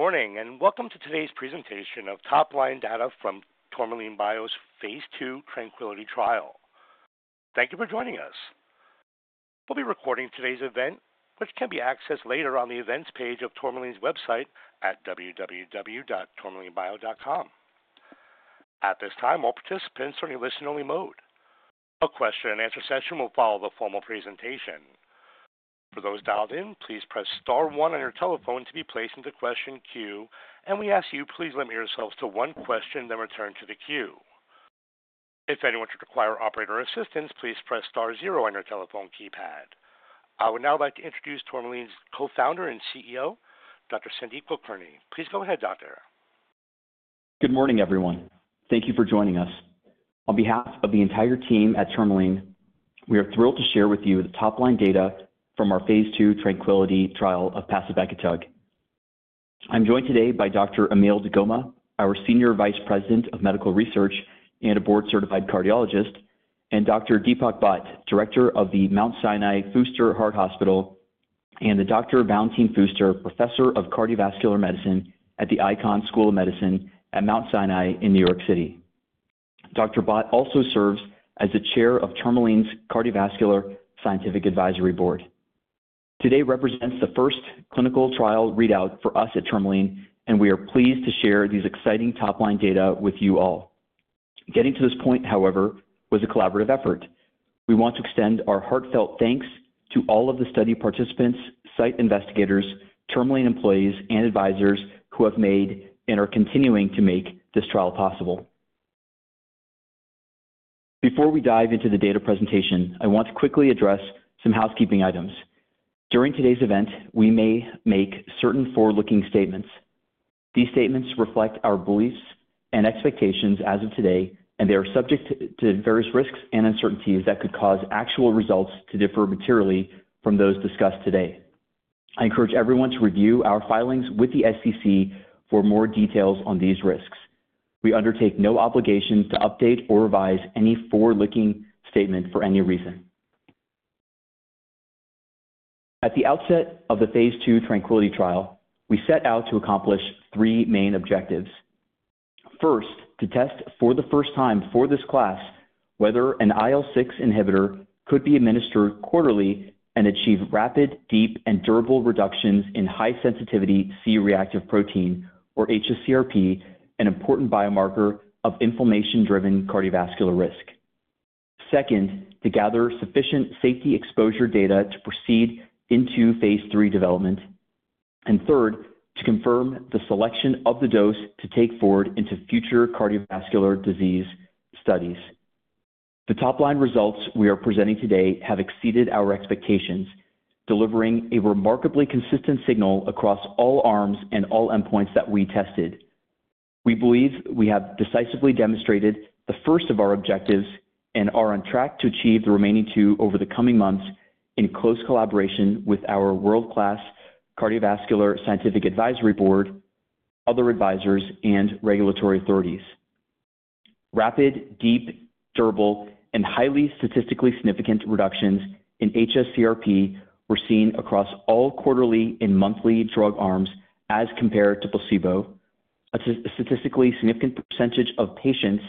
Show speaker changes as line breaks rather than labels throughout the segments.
Good morning and welcome to today's presentation of top-line data from Tourmaline Bio's phase 2 TRANQUILITY Trial. Thank you for joining us. We'll be recording today's event, which can be accessed later on the events page of Tourmaline's website at www.tourmalinebio.com. At this time, all participants are in listen-only mode. A question-and-answer session will follow the formal presentation. For those dialed in, please press star one on your telephone to be placed into question queue, and we ask you to please limit yourselves to one question then return to the queue. If anyone should require operator assistance, please press star zero on your telephone keypad. I would now like to introduce Tourmaline's Co-founder and CEO, Dr. Sandeep Kulkarni. Please go ahead, Doctor.
Good morning, everyone. Thank you for joining us. On behalf of the entire team at Tourmaline Bio, we are thrilled to share with you the top-line data from our phase 2 TRANQUILITY Trial of pacibekitug. I'm joined today by Dr. Emil deGoma, our Senior Vice President of Medical Research and a board-certified cardiologist, and Dr. Deepak Bhatt, Director of the Mount Sinai Fuster Heart Institute, and Dr. Valentin Fuster, Professor of Cardiovascular Medicine at the Icahn School of Medicine at Mount Sinai in New York City. Dr. Bhatt also serves as the Chair of Tourmaline Bio's Cardiovascular Scientific Advisory Board. Today represents the first clinical trial readout for us at Tourmaline Bio, and we are pleased to share these exciting top-line data with you all. Getting to this point, however, was a collaborative effort. We want to extend our heartfelt thanks to all of the study participants, site investigators, Tourmaline employees, and advisors who have made and are continuing to make this trial possible. Before we dive into the data presentation, I want to quickly address some housekeeping items. During today's event, we may make certain forward-looking statements. These statements reflect our beliefs and expectations as of today, and they are subject to various risks and uncertainties that could cause actual results to differ materially from those discussed today. I encourage everyone to review our filings with the SEC for more details on these risks. We undertake no obligation to update or revise any forward-looking statement for any reason. At the outset of the phase 2 TRANQUILITY Trial, we set out to accomplish three main objectives. First, to test for the first time for this class whether an IL-6 inhibitor could be administered quarterly and achieve rapid, deep, and durable reductions in high-sensitivity C-reactive protein, or HSCRP, an important biomarker of inflammation-driven cardiovascular risk. Second, to gather sufficient safety exposure data to proceed into phase 3 development. Third, to confirm the selection of the dose to take forward into future cardiovascular disease studies. The top-line results we are presenting today have exceeded our expectations, delivering a remarkably consistent signal across all arms and all endpoints that we tested. We believe we have decisively demonstrated the first of our objectives and are on track to achieve the remaining two over the coming months in close collaboration with our world-class Cardiovascular Scientific Advisory Board, other advisors, and regulatory authorities. Rapid, deep, durable, and highly statistically significant reductions in hsCRP were seen across all quarterly and monthly drug arms as compared to placebo. A statistically significant percentage of patients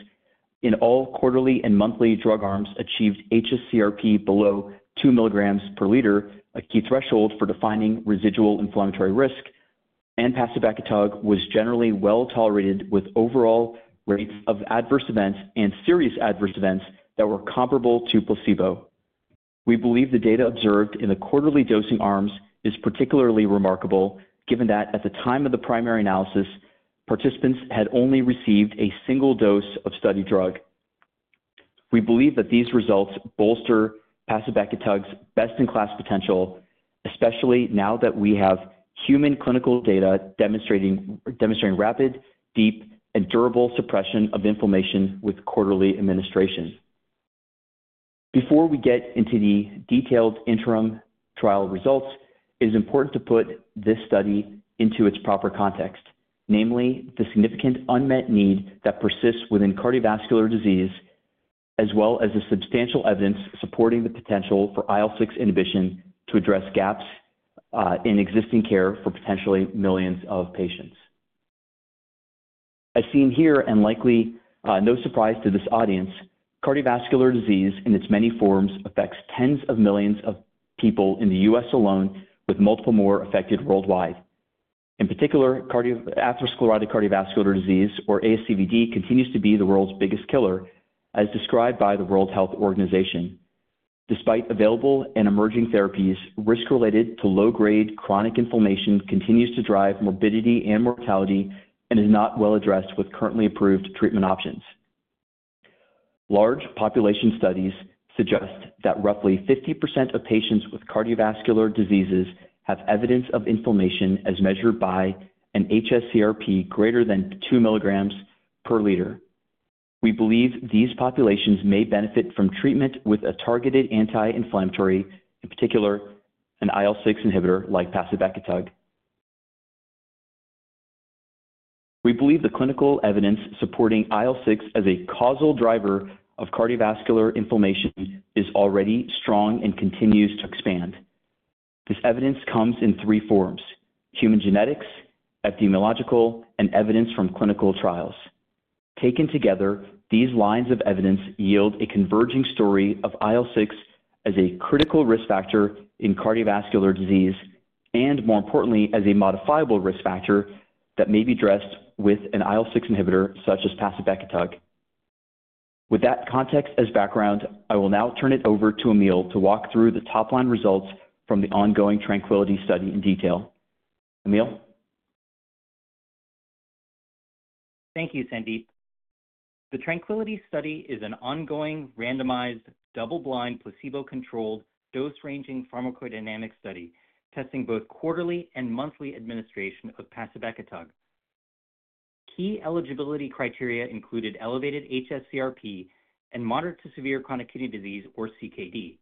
in all quarterly and monthly drug arms achieved hsCRP below two milligrams per liter, a key threshold for defining residual inflammatory risk, and pacibekitug was generally well tolerated with overall rates of adverse events and serious adverse events that were comparable to placebo. We believe the data observed in the quarterly dosing arms is particularly remarkable, given that at the time of the primary analysis, participants had only received a single dose of study drug. We believe that these results bolster pacibekitug's best-in-class potential, especially now that we have human clinical data demonstrating rapid, deep, and durable suppression of inflammation with quarterly administration. Before we get into the detailed interim trial results, it is important to put this study into its proper context, namely the significant unmet need that persists within cardiovascular disease, as well as the substantial evidence supporting the potential for IL-6 inhibition to address gaps in existing care for potentially millions of patients. As seen here, and likely no surprise to this audience, cardiovascular disease in its many forms affects tens of millions of people in the U.S. alone, with multiple more affected worldwide. In particular, atherosclerotic cardiovascular disease, or ASCVD, continues to be the world's biggest killer, as described by the World Health Organization. Despite available and emerging therapies, risk related to low-grade chronic inflammation continues to drive morbidity and mortality and is not well addressed with currently approved treatment options. Large population studies suggest that roughly 50% of patients with cardiovascular diseases have evidence of inflammation as measured by an hsCRP greater than two milligrams per liter. We believe these populations may benefit from treatment with a targeted anti-inflammatory, in particular, an IL-6 inhibitor like pacibekitug. We believe the clinical evidence supporting IL-6 as a causal driver of cardiovascular inflammation is already strong and continues to expand. This evidence comes in three forms: human genetics, epidemiological, and evidence from clinical trials. Taken together, these lines of evidence yield a converging story of IL-6 as a critical risk factor in cardiovascular disease and, more importantly, as a modifiable risk factor that may be addressed with an IL-6 inhibitor such as pacibekitug. With that context as background, I will now turn it over to Emil to walk through the top-line results from the ongoing TRANQUILITY study in detail. Emil?
Thank you, Sandeep. The TRANQUILITY study is an ongoing randomized double-blind placebo-controlled dose-ranging pharmacodynamic study testing both quarterly and monthly administration of pacibekitug. Key eligibility criteria included elevated hsCRP and moderate to severe chronic kidney disease, or CKD.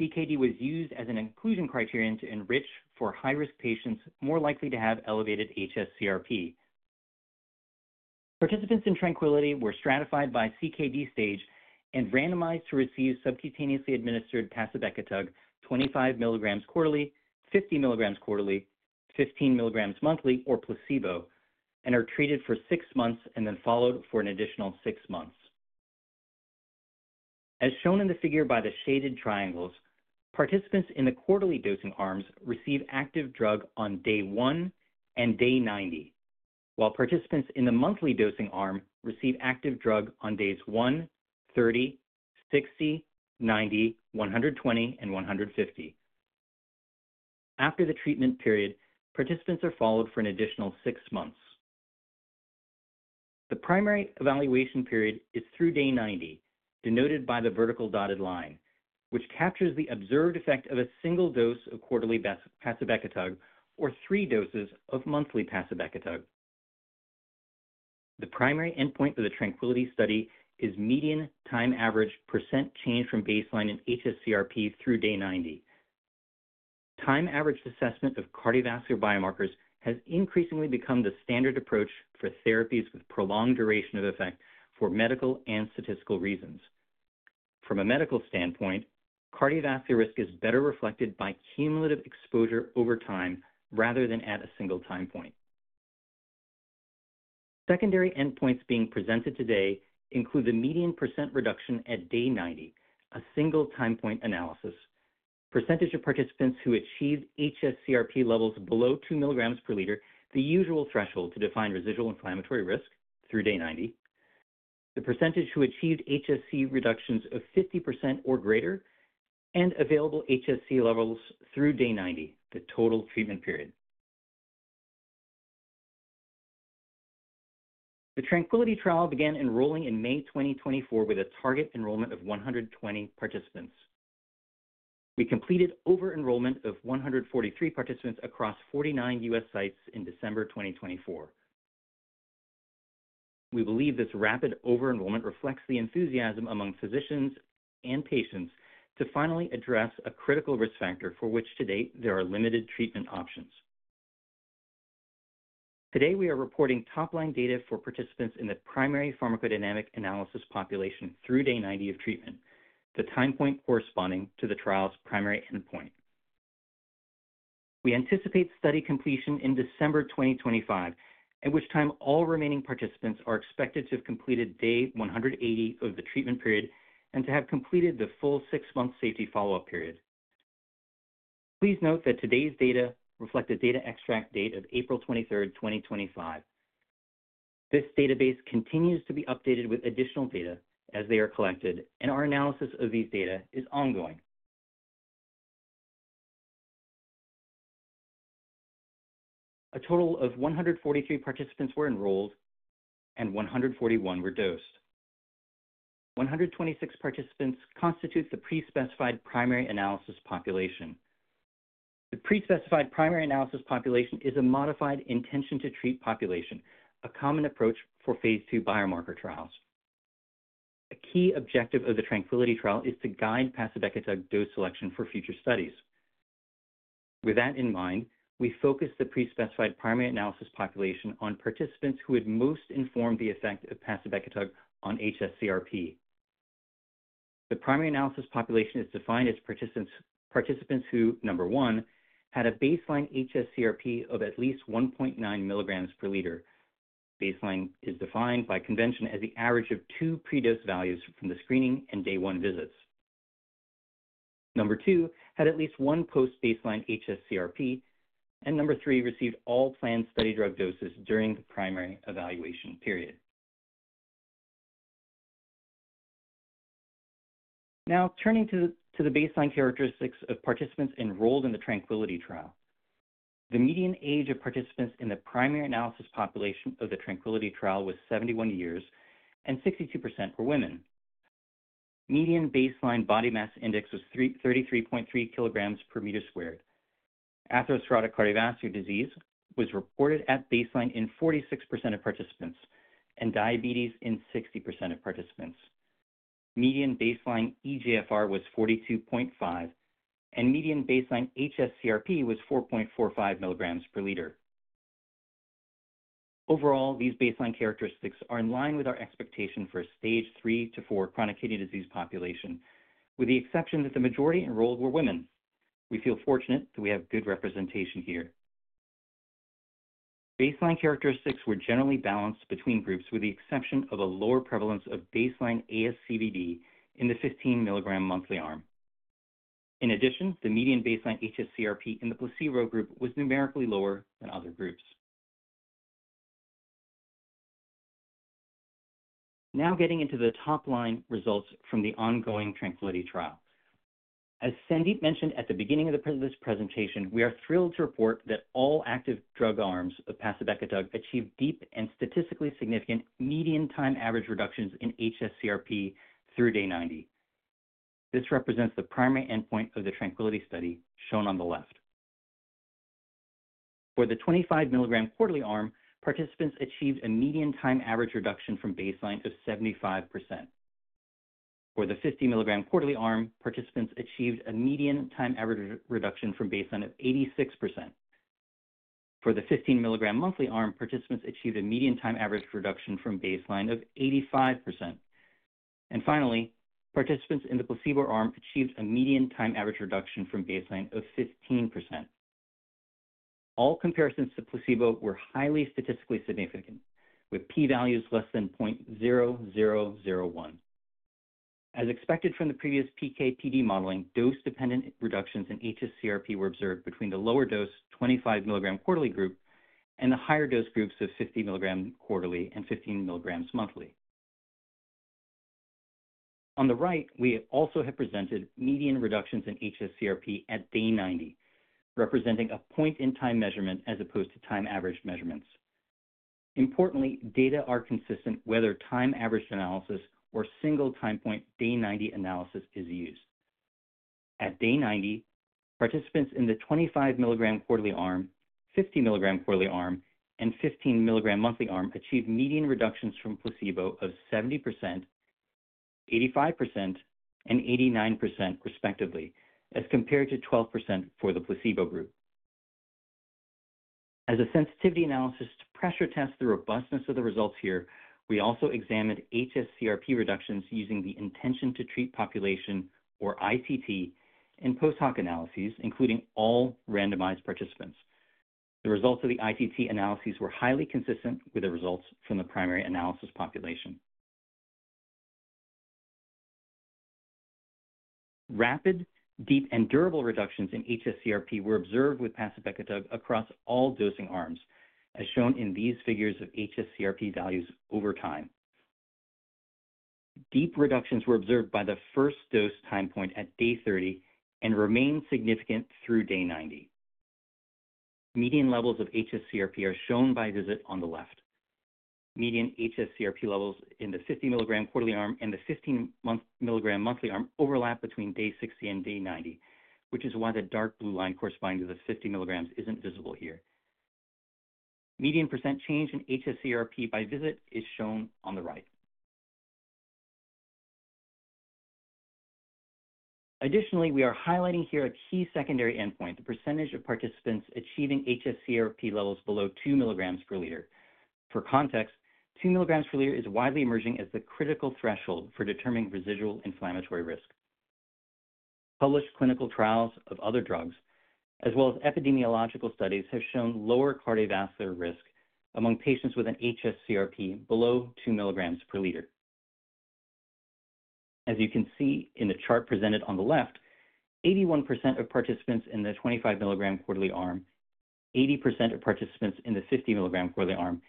CKD was used as an inclusion criterion to enrich for high-risk patients more likely to have elevated hsCRP. Participants in TRANQUILITY were stratified by CKD stage and randomized to receive subcutaneously administered pacibekitug 25 milligrams quarterly, 50 milligrams quarterly, 15 milligrams monthly, or placebo, and are treated for six months and then followed for an additional six months. As shown in the figure by the shaded triangles, participants in the quarterly dosing arms receive active drug on day one and day 90, while participants in the monthly dosing arm receive active drug on days 1, 30, 60, 90, 120, and 150. After the treatment period, participants are followed for an additional six months. The primary evaluation period is through day 90, denoted by the vertical dotted line, which captures the observed effect of a single dose of quarterly pacibekitug or three doses of monthly pacibekitug. The primary endpoint for the TRANQUILITY study is median time average percentage change from baseline in hsCRP through day 90. Time average assessment of cardiovascular biomarkers has increasingly become the standard approach for therapies with prolonged duration of effect for medical and statistical reasons. From a medical standpoint, cardiovascular risk is better reflected by cumulative exposure over time rather than at a single time point. Secondary endpoints being presented today include the median percentage reduction at day 90, a single time point analysis, the percentage of participants who achieved hsCRP levels below two milligrams per liter, the usual threshold to define residual inflammatory risk through day 90, the percentage who achieved hsCRP reductions of 50% or greater, and available hsCRP levels through day 90, the total treatment period. The TRANQUILITY trial began enrolling in May 2024 with a target enrollment of 120 participants. We completed over-enrollment of 143 participants across 49 U.S. sites in December 2024. We believe this rapid over-enrollment reflects the enthusiasm among physicians and patients to finally address a critical risk factor for which, to date, there are limited treatment options. Today, we are reporting top-line data for participants in the primary pharmacodynamic analysis population through day 90 of treatment, the time point corresponding to the trial's primary endpoint. We anticipate study completion in December 2025, at which time all remaining participants are expected to have completed day 180 of the treatment period and to have completed the full six-month safety follow-up period. Please note that today's data reflect the data extract date of April 23, 2025. This database continues to be updated with additional data as they are collected, and our analysis of these data is ongoing. A total of 143 participants were enrolled and 141 were dosed. 126 participants constitute the pre-specified primary analysis population. The pre-specified primary analysis population is a modified intention-to-treat population, a common approach for phase 2 biomarker trials. A key objective of the TRANQUILITY trial is to guide pacibekitug dose selection for future studies. With that in mind, we focus the pre-specified primary analysis population on participants who had most informed the effect of pacibekitug on hsCRP. The primary analysis population is defined as participants who, number one, had a baseline hsCRP of at least 1.9 milligrams per liter. This baseline is defined by convention as the average of two predose values from the screening and day one visits. Number two, had at least one post-baseline hsCRP, and number three, received all planned study drug doses during the primary evaluation period. Now, turning to the baseline characteristics of participants enrolled in the TRANQUILITY trial. The median age of participants in the primary analysis population of the TRANQUILITY trial was 71 years, and 62% were women. Median baseline body mass index was 33.3 kilograms per meter squared. Atherosclerotic cardiovascular disease was reported at baseline in 46% of participants, and diabetes in 60% of participants. Median baseline eGFR was 42.5, and median baseline hsCRP was 4.45 milligrams per liter. Overall, these baseline characteristics are in line with our expectation for a stage three to four chronic kidney disease population, with the exception that the majority enrolled were women. We feel fortunate that we have good representation here. Baseline characteristics were generally balanced between groups, with the exception of a lower prevalence of baseline ASCVD in the 15 mg monthly arm. In addition, the median baseline hsCRP in the placebo group was numerically lower than other groups. Now, getting into the top-line results from the ongoing TRANQUILITY trial. As Sandeep mentioned at the beginning of this presentation, we are thrilled to report that all active drug arms of pacibekitug achieved deep and statistically significant median time average reductions in hsCRP through day 90. This represents the primary endpoint of the TRANQUILITY study shown on the left. For the 25 milligram quarterly arm, participants achieved a median time average reduction from baseline of 75%. For the 50 milligram quarterly arm, participants achieved a median time average reduction from baseline of 86%. For the 15 milligram monthly arm, participants achieved a median time average reduction from baseline of 85%. Finally, participants in the placebo arm achieved a median time average reduction from baseline of 15%. All comparisons to placebo were highly statistically significant, with p-values less than 0.0001. As expected from the previous PK/PD modeling, dose-dependent reductions in HSCRP were observed between the lower dose 25 milligram quarterly group and the higher dose groups of 50 milligram quarterly and 15 milligram monthly. On the right, we also have presented median reductions in HSCRP at day 90, representing a point-in-time measurement as opposed to time average measurements. Importantly, data are consistent whether time average analysis or single-time point day 90 analysis is used. At day 90, participants in the 25 milligram quarterly arm, 50 milligram quarterly arm, and 15 milligram monthly arm achieved median reductions from placebo of 70%, 85%, and 89%, respectively, as compared to 12% for the placebo group. As a sensitivity analysis to pressure test the robustness of the results here, we also examined hsCRP reductions using the intention-to-treat population, or ITT, in post-hoc analyses, including all randomized participants. The results of the ITT analyses were highly consistent with the results from the primary analysis population. Rapid, deep, and durable reductions in hsCRP were observed with pacibekitug across all dosing arms, as shown in these figures of hsCRP values over time. Deep reductions were observed by the first dose time point at day 30 and remained significant through day 90. Median levels of HSCRP are shown by visit on the left. Median HSCRP levels in the 50 milligram quarterly arm and the 15 milligram monthly arm overlap between day 60 and day 90, which is why the dark blue line corresponding to the 50 milligrams is not visible here. Median % change in HSCRP by visit is shown on the right. Additionally, we are highlighting here a key secondary endpoint: the % of participants achieving HSCRP levels below two milligrams per liter. For context, 2 milligrams per liter is widely emerging as the critical threshold for determining residual inflammatory risk. Published clinical trials of other drugs, as well as epidemiological studies, have shown lower cardiovascular risk among patients with an HSCRP below two milligrams per liter. As you can see in the chart presented on the left, 81% of participants in the 25 milligram quarterly arm, 80% of participants in the 50 milligram quarterly arm,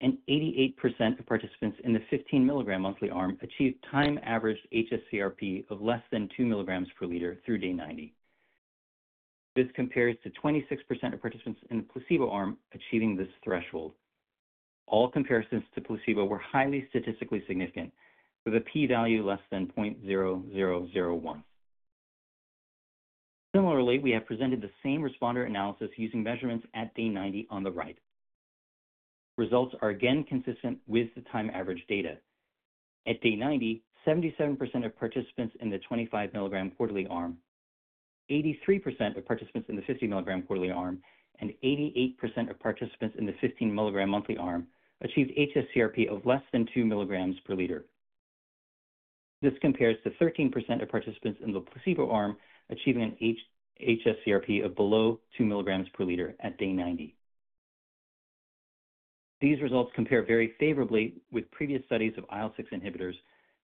and 88% of participants in the 15 milligram monthly arm achieved time averaged HSCRP of less than two milligrams per liter through day 90. This compares to 26% of participants in the placebo arm achieving this threshold. All comparisons to placebo were highly statistically significant, with a p-value less than 0.0001. Similarly, we have presented the same responder analysis using measurements at day 90 on the right. Results are again consistent with the time average data. At day 90, 77% of participants in the 25 milligram quarterly arm, 83% of participants in the 50 milligram quarterly arm, and 88% of participants in the 15 milligram monthly arm achieved HSCRP of less than 2 milligrams per liter. This compares to 13% of participants in the placebo arm achieving an hsCRP of below two milligrams per liter at day 90. These results compare very favorably with previous studies of IL-6 inhibitors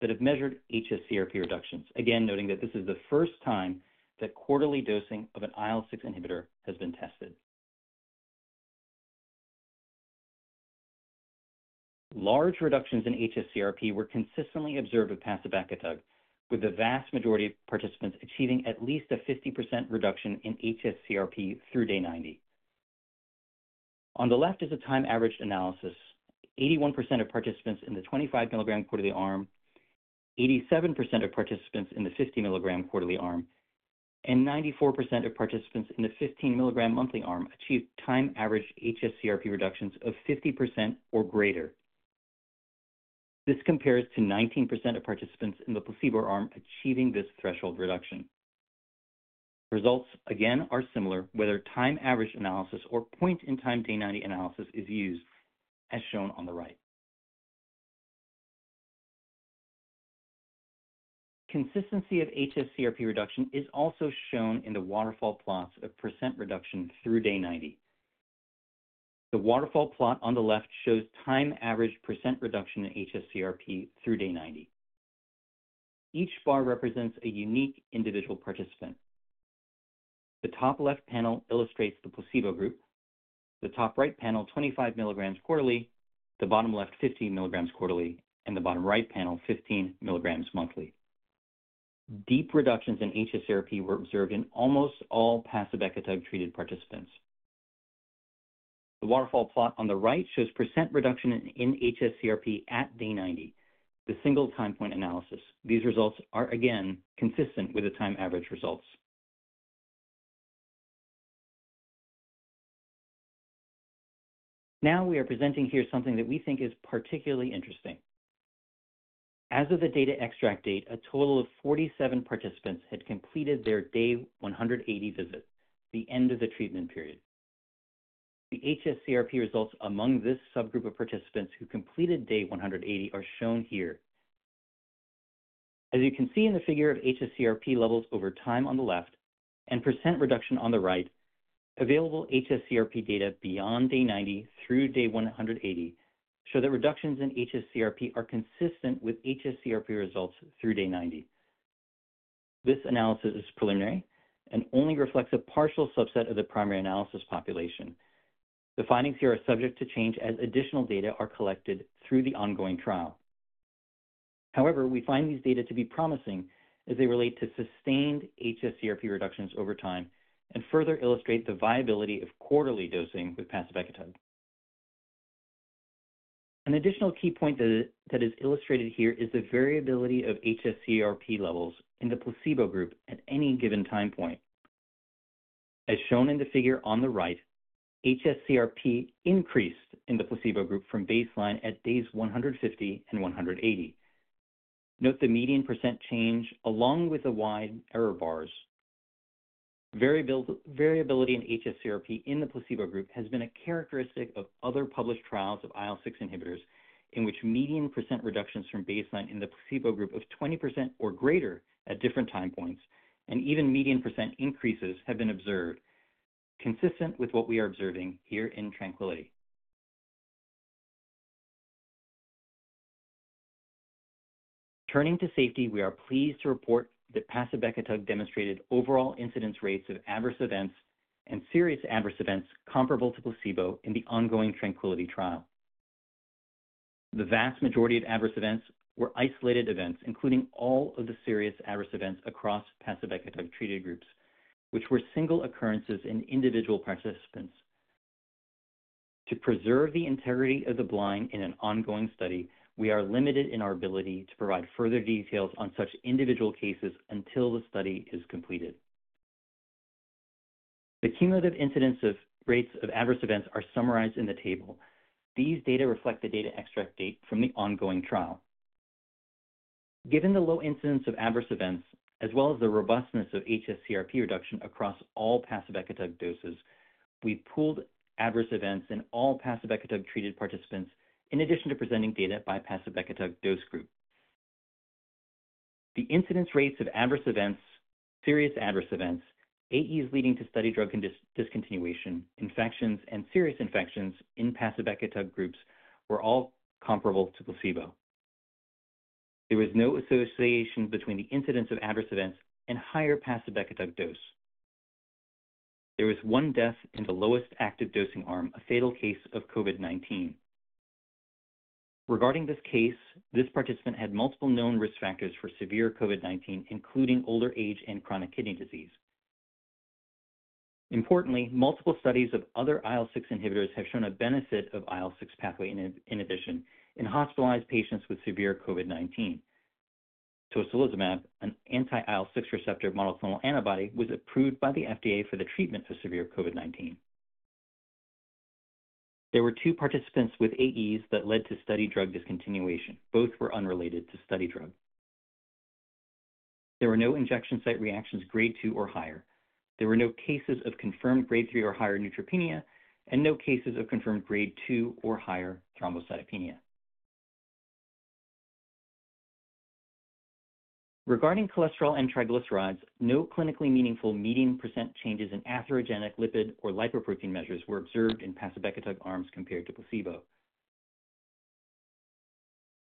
that have measured hsCRP reductions, again noting that this is the first time that quarterly dosing of an IL-6 inhibitor has been tested. Large reductions in hsCRP were consistently observed with pacibekitug, with the vast majority of participants achieving at least a 50% reduction in hsCRP through day 90. On the left is a time averaged analysis: 81% of participants in the 25 milligram quarterly arm, 87% of participants in the 50 milligram quarterly arm, and 94% of participants in the 15 milligram monthly arm achieved time averaged hsCRP reductions of 50% or greater. This compares to 19% of participants in the placebo arm achieving this threshold reduction. Results, again, are similar whether time averaged analysis or point-in-time day 90 analysis is used, as shown on the right. Consistency of hsCRP reduction is also shown in the waterfall plots of perecnt reduction through day 90. The waterfall plot on the left shows time averaged percent reduction in hsCRP through day 90. Each bar represents a unique individual participant. The top left panel illustrates the placebo group, the top right panel 25 mg quarterly, the bottom left 15 mg quarterly, and the bottom right panel 15 mg monthly. Deep reductions in hsCRP were observed in almost all pacibekitug treated participants. The waterfall plot on the right shows percent reduction in hsCRP at day 90, the single-time point analysis. These results are again consistent with the time averaged results. Now, we are presenting here something that we think is particularly interesting. As of the data extract date, a total of 47 participants had completed their day 180 visit, the end of the treatment period. The hsCRP results among this subgroup of participants who completed day 180 are shown here. As you can see in the figure of hsCRP levels over time on the left and percent reduction on the right, available hsCRP data beyond day 90 through day 180 show that reductions in hsCRP are consistent with hsCRP results through day 90. This analysis is preliminary and only reflects a partial subset of the primary analysis population. The findings here are subject to change as additional data are collected through the ongoing trial. However, we find these data to be promising as they relate to sustained hsCRP reductions over time and further illustrate the viability of quarterly dosing with pacibekitug. An additional key point that is illustrated here is the variability of hsCRP levels in the placebo group at any given time point. As shown in the figure on the right, hsCRP increased in the placebo group from baseline at days 150 and 180. Note the median percent change along with the wide error bars. Variability in hsCRP in the placebo group has been a characteristic of other published trials of IL-6 inhibitors in which median percent reductions from baseline in the placebo group of 20% or greater at different time points and even median percent increases have been observed, consistent with what we are observing here in TRANQUILITY. Turning to safety, we are pleased to report that pacibekitug demonstrated overall incidence rates of adverse events and serious adverse events comparable to placebo in the ongoing TRANQUILITY trial. The vast majority of adverse events were isolated events, including all of the serious adverse events across pacibekitug treated groups, which were single occurrences in individual participants. To preserve the integrity of the blind in an ongoing study, we are limited in our ability to provide further details on such individual cases until the study is completed. The cumulative incidence rates of adverse events are summarized in the table. These data reflect the data extract date from the ongoing trial. Given the low incidence of adverse events, as well as the robustness of HSCRP reduction across all pacibekitug doses, we've pooled adverse events in all pacibekitug treated participants in addition to presenting data by pacibekitug dose group. The incidence rates of adverse events, serious adverse events, AEs leading to study drug discontinuation, infections, and serious infections in pacibekitug groups were all comparable to placebo. There was no association between the incidence of adverse events and higher pacibekitug dose. There was one death in the lowest active dosing arm, a fatal case of COVID-19. Regarding this case, this participant had multiple known risk factors for severe COVID-19, including older age and chronic kidney disease. Importantly, multiple studies of other IL-6 inhibitors have shown a benefit of IL-6 pathway inhibition in hospitalized patients with severe COVID-19. Tocilizumab, an anti-IL-6 receptor monoclonal antibody, was approved by the FDA for the treatment for severe COVID-19. There were two participants with AEs that led to study drug discontinuation. Both were unrelated to study drug. There were no injection site reactions grade 2 or higher. There were no cases of confirmed grade 3 or higher neutropenia and no cases of confirmed grade 2 or higher thrombocytopenia. Regarding cholesterol and triglycerides, no clinically meaningful median percent changes in atherogenic lipid or lipoprotein measures were observed in pacibekitug arms compared to placebo.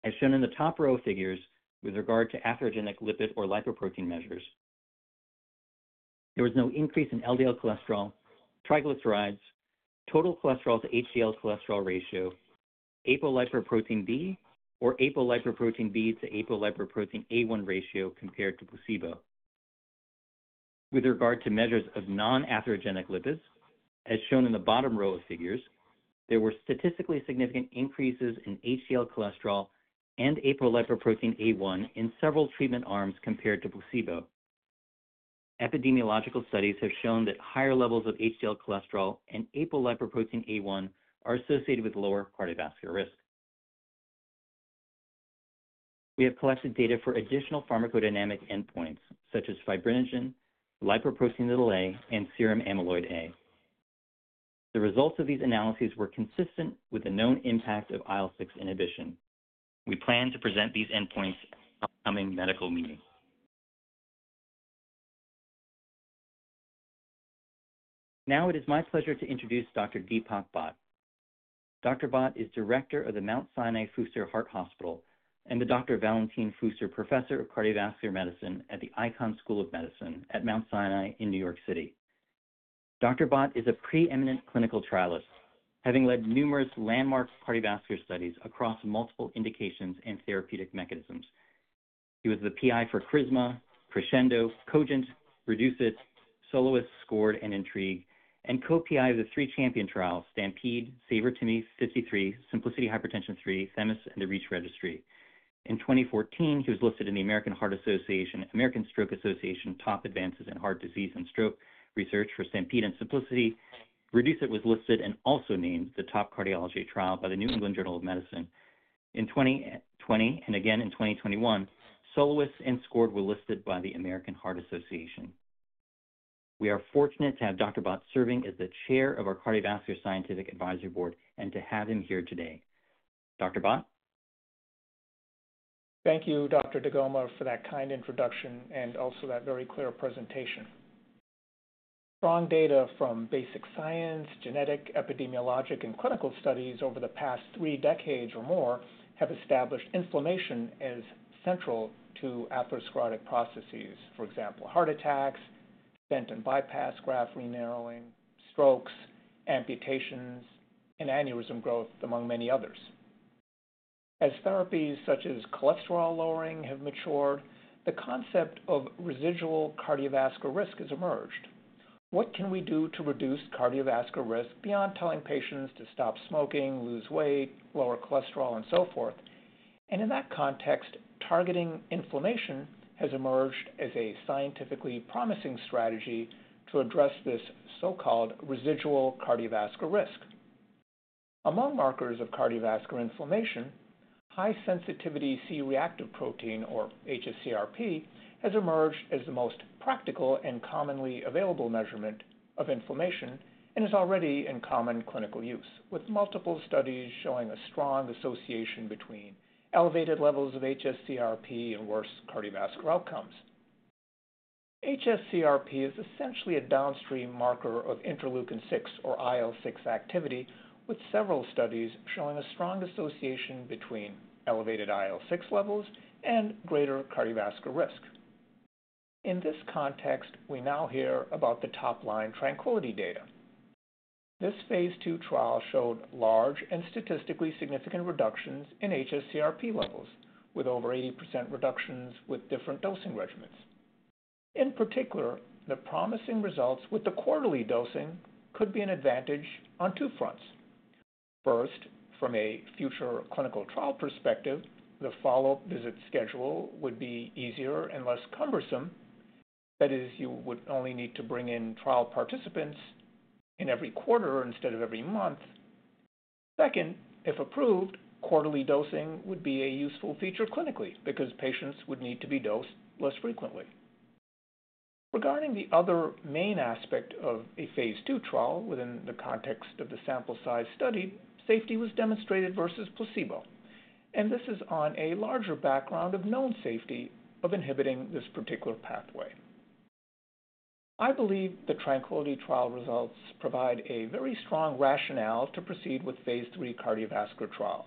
As shown in the top row figures with regard to atherogenic lipid or lipoprotein measures, there was no increase in LDL cholesterol, triglycerides, total cholesterol to HDL cholesterol ratio, apolipoprotein B, or apolipoprotein B to apolipoprotein A1 ratio compared to placebo. With regard to measures of non-atherogenic lipids, as shown in the bottom row of figures, there were statistically significant increases in HDL cholesterol and apolipoprotein A1 in several treatment arms compared to placebo. Epidemiological studies have shown that higher levels of HDL cholesterol and apolipoprotein A1 are associated with lower cardiovascular risk. We have collected data for additional pharmacodynamic endpoints such as fibrinogen, lipoprotein(a), and serum amyloid A. The results of these analyses were consistent with the known impact of IL-6 inhibition. We plan to present these endpoints at the upcoming medical meeting. Now, it is my pleasure to introduce Dr. Deepak Bhatt. Dr. Bhatt is Director of the Mount Sinai Fuster Heart Hospital and the Dr. Valentin Fuster Professor of Cardiovascular Medicine at the Icahn School of Medicine at Mount Sinai in New York City. Dr. Bhatt is a preeminent clinical trialist, having led numerous landmark cardiovascular studies across multiple indications and therapeutic mechanisms. He was the PI for CRISMA, CRESCENDO, COGENT, REDUCE-IT, SOLOIST, SCORED, and INTRIGUE, and co-PI of the three CHAMPION trials, STAMPEDE, SAVOR-TIMI 53, SIMPLICITY HTN-3, THEMIS, and the REACH registry. In 2014, he was listed in the American Heart Association, American Stroke Association top advances in heart disease and stroke research for STAMPEDE and SIMPLICITY. REDUCE-IT was listed and also named the top cardiology trial by the New England Journal of Medicine. In 2020 and again in 2021, Soloist and Scored were listed by the American Heart Association. We are fortunate to have Dr. Bhatt serving as the Chair of our Cardiovascular Scientific Advisory Board and to have him here today. Dr. Bhatt?
Thank you, Dr. deGoma, for that kind introduction and also that very clear presentation. Strong data from basic science, genetic, epidemiologic, and clinical studies over the past three decades or more have established inflammation as central to atherosclerotic processes, for example, heart attacks, stent and bypass graft renarrowing, strokes, amputations, and aneurysm growth, among many others. As therapies such as cholesterol lowering have matured, the concept of residual cardiovascular risk has emerged. What can we do to reduce cardiovascular risk beyond telling patients to stop smoking, lose weight, lower cholesterol, and so forth? In that context, targeting inflammation has emerged as a scientifically promising strategy to address this so-called residual cardiovascular risk. Among markers of cardiovascular inflammation, high-sensitivity C-reactive protein, or hsCRP, has emerged as the most practical and commonly available measurement of inflammation and is already in common clinical use, with multiple studies showing a strong association between elevated levels of hsCRP and worse cardiovascular outcomes. hsCRP is essentially a downstream marker of interleukin-6 or IL-6 activity, with several studies showing a strong association between elevated IL-6 levels and greater cardiovascular risk. In this context, we now hear about the top line TRANQUILITY data. This phase 2 trial showed large and statistically significant reductions in hsCRP levels, with over 80% reductions with different dosing regimens. In particular, the promising results with the quarterly dosing could be an advantage on two fronts. First, from a future clinical trial perspective, the follow-up visit schedule would be easier and less cumbersome. That is, you would only need to bring in trial participants in every quarter instead of every month. Second, if approved, quarterly dosing would be a useful feature clinically because patients would need to be dosed less frequently. Regarding the other main aspect of a phase two trial within the context of the sample size study, safety was demonstrated versus placebo. This is on a larger background of known safety of inhibiting this particular pathway. I believe the TRANQUILITY trial results provide a very strong rationale to proceed with phase three cardiovascular trials.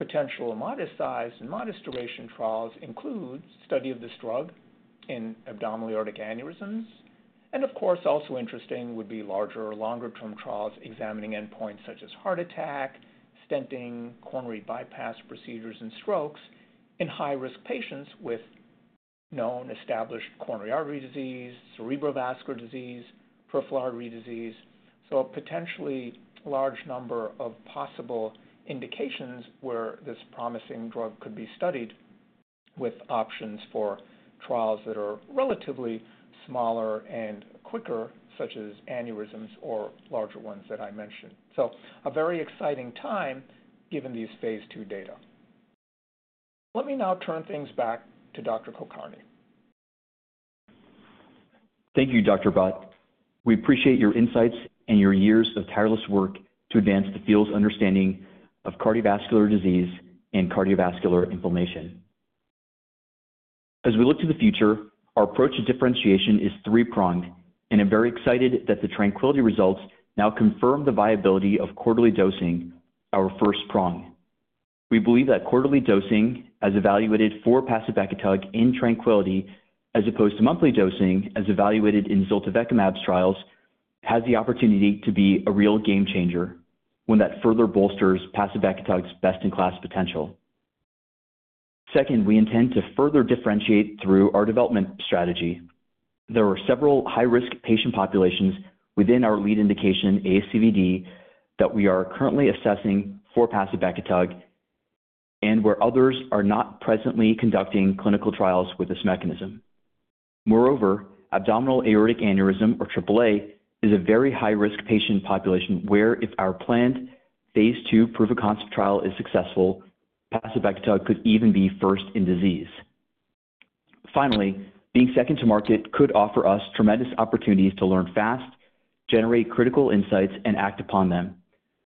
Potential modest size and modest duration trials include study of this drug in abdominal aortic aneurysms. Of course, also interesting would be larger or longer-term trials examining endpoints such as heart attack, stenting, coronary bypass procedures, and strokes in high-risk patients with known established coronary artery disease, cerebrovascular disease, peripheral artery disease. A potentially large number of possible indications where this promising drug could be studied with options for trials that are relatively smaller and quicker, such as aneurysms or larger ones that I mentioned. A very exciting time given these phase two data. Let me now turn things back to Dr. Kulkarni.
Thank you, Dr. Bhatt. We appreciate your insights and your years of tireless work to advance the field's understanding of cardiovascular disease and cardiovascular inflammation. As we look to the future, our approach to differentiation is three-pronged, and I'm very excited that the TRANQUILITY results now confirm the viability of quarterly dosing, our first prong. We believe that quarterly dosing, as evaluated for pacibekitug in TRANQUILITY, as opposed to monthly dosing as evaluated in ziltivekimab trials, has the opportunity to be a real game changer when that further bolsters pacibekitug's best-in-class potential. Second, we intend to further differentiate through our development strategy. There are several high-risk patient populations within our lead indication, ASCVD, that we are currently assessing for pacibekitug and where others are not presently conducting clinical trials with this mechanism. Moreover, abdominal aortic aneurysm, or AAA, is a very high-risk patient population where, if our planned phase 2 proof-of-concept trial is successful, pacibekitug could even be first in disease. Finally, being second to market could offer us tremendous opportunities to learn fast, generate critical insights, and act upon them.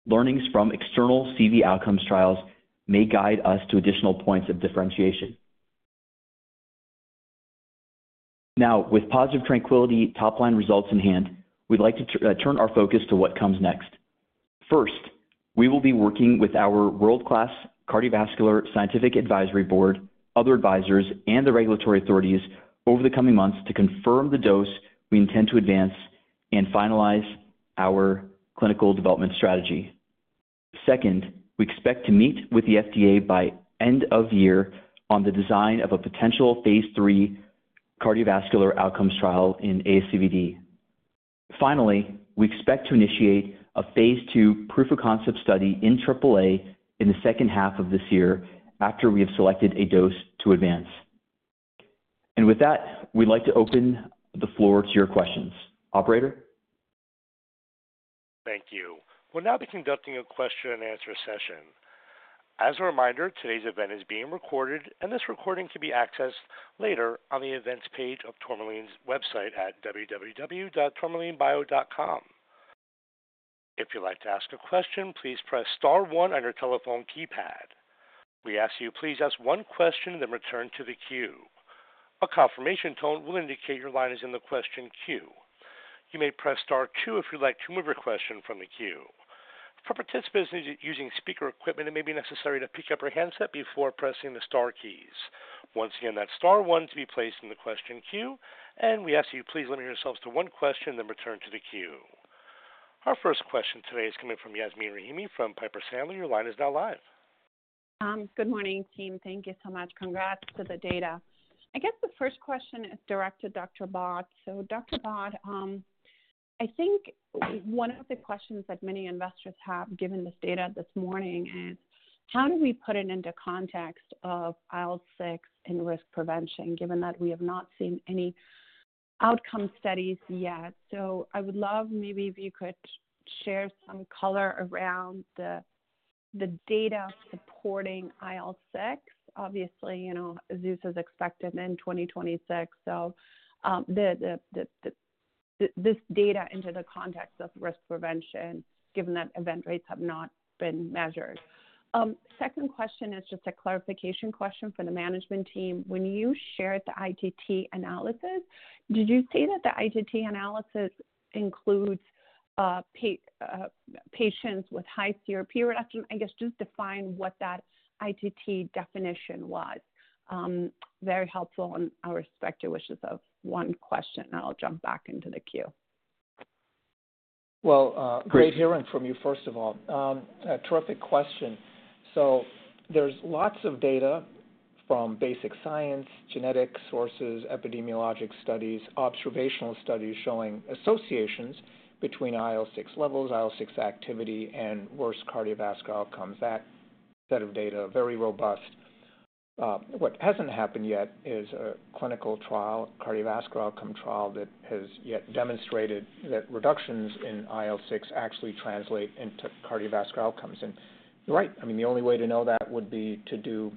Learnings from external CV outcomes trials may guide us to additional points of differentiation. Now, with positive TRANQUILITY top line results in hand, we'd like to turn our focus to what comes next. First, we will be working with our world-class cardiovascular scientific advisory board, other advisors, and the regulatory authorities over the coming months to confirm the dose we intend to advance and finalize our clinical development strategy. Second, we expect to meet with the FDA by end of year on the design of a potential phase 3 cardiovascular outcomes trial in ASCVD. Finally, we expect to initiate a phase 2 proof-of-concept study in AAA in the second half of this year after we have selected a dose to advance. With that, we'd like to open the floor to your questions. Operator?
Thank you. We'll now be conducting a question-and-answer session. As a reminder, today's event is being recorded, and this recording can be accessed later on the events page of Tourmaline's website at www.tourmalinebio.com. If you'd like to ask a question, please press star one on your telephone keypad. We ask you, please ask one question and then return to the queue. A confirmation tone will indicate your line is in the question queue. You may press star two if you'd like to move your question from the queue. For participants using speaker equipment, it may be necessary to pick up your handset before pressing the star keys. Once again, that's star one to be placed in the question queue. We ask you, please limit yourselves to one question and then return to the queue. Our first question today is coming from Yasmeen Rahimi from Piper Sandler. Your line is now live.
Good morning, team. Thank you so much. Congrats to the data. I guess the first question is directed to Dr. Bhatt. Dr. Bhatt, I think one of the questions that many investors have given this data this morning is, how do we put it into context of IL-6 and risk prevention, given that we have not seen any outcome studies yet? I would love maybe if you could share some color around the data supporting IL-6. Obviously, ZEUS is expected in 2026. This data into the context of risk prevention, given that event rates have not been measured. Second question is just a clarification question for the management team. When you shared the ITT analysis, did you say that the ITT analysis includes patients with high CRP reduction? I guess just define what that ITT definition was. Very helpful in our respective wishes of one question, and I'll jump back into the queue.
Great hearing from you, first of all. Terrific question. There is lots of data from basic science, genetic sources, epidemiologic studies, observational studies showing associations between IL-6 levels, IL-6 activity, and worse cardiovascular outcomes. That set of data is very robust. What has not happened yet is a clinical trial, cardiovascular outcome trial that has yet demonstrated that reductions in IL-6 actually translate into cardiovascular outcomes. You are right. I mean, the only way to know that would be to do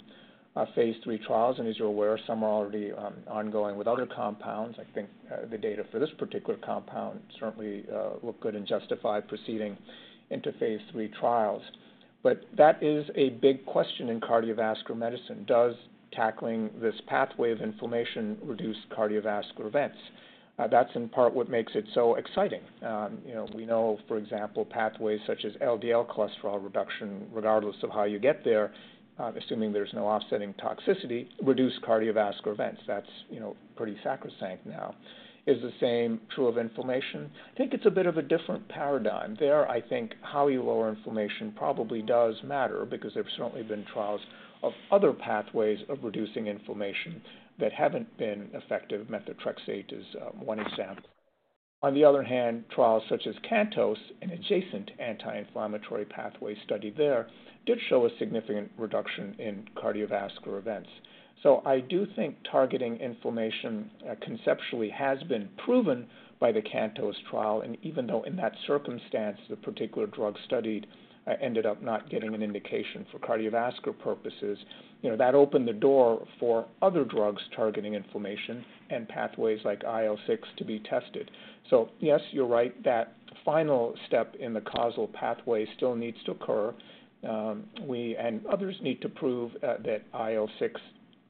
phase three trials. As you are aware, some are already ongoing with other compounds. I think the data for this particular compound certainly look good and justify proceeding into phase three trials. That is a big question in cardiovascular medicine. Does tackling this pathway of inflammation reduce cardiovascular events? That is in part what makes it so exciting. We know, for example, pathways such as LDL cholesterol reduction, regardless of how you get there, assuming there's no offsetting toxicity, reduce cardiovascular events. That's pretty sacrosanct now. Is the same true of inflammation? I think it's a bit of a different paradigm there. I think how you lower inflammation probably does matter because there have certainly been trials of other pathways of reducing inflammation that haven't been effective. Methotrexate is one example. On the other hand, trials such as CANTOS and adjacent anti-inflammatory pathway study there did show a significant reduction in cardiovascular events. I do think targeting inflammation conceptually has been proven by the CANTOS trial. Even though in that circumstance, the particular drug studied ended up not getting an indication for cardiovascular purposes, that opened the door for other drugs targeting inflammation and pathways like IL-6 to be tested. Yes, you're right. That final step in the causal pathway still needs to occur. We and others need to prove that IL-6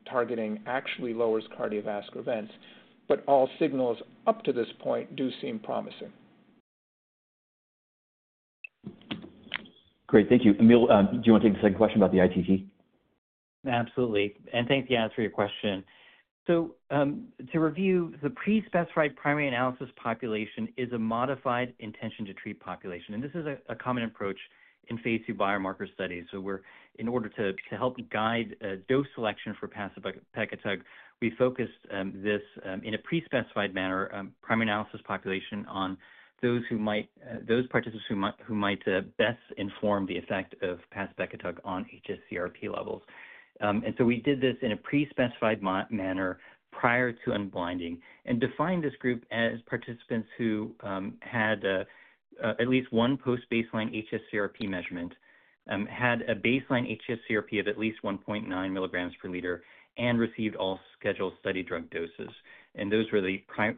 targeting actually lowers cardiovascular events. All signals up to this point do seem promising.
Great. Thank you. Neil, do you want to take the second question about the ITT?
Absolutely. Thank you, Adam, for your question. To review, the pre-specified primary analysis population is a modified intention-to-treat population. This is a common approach in phase 2 biomarker studies. In order to help guide dose selection for pacibekitug, we focused this in a pre-specified manner, primary analysis population on those participants who might best inform the effect of pacibekitug on HSCRP levels. We did this in a pre-specified manner prior to unblinding and defined this group as participants who had at least one post-baseline HSCRP measurement, had a baseline HSCRP of at least 1.9 milligrams per liter, and received all scheduled study drug doses. Those were